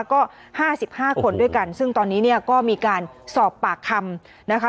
ก็๕๕คนด้วยกันซึ่งตอนนี้เนี่ยก็มีการสอบปากคำนะคะ